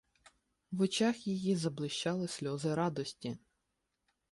В очах її заблищали сльози радості.